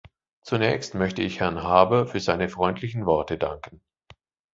Zunächst möchte ich Herrn Harbour für seine freundlichen Worte danken.